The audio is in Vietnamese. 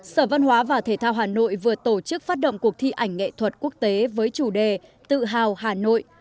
sở văn hóa và thể thao hà nội vừa tổ chức phát động cuộc thi ảnh nghệ thuật quốc tế với chủ đề tự hào hà nội